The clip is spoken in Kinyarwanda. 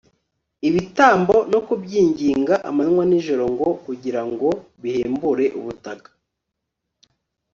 ibitambo no kubyinginga amanywa nijoro ngo kugira ngo bihembure ubutaka